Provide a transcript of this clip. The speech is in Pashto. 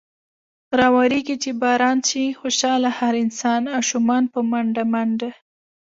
راورېږي چې باران۔ شي خوشحاله هر انسان ـ اشومان په منډه منډه ـ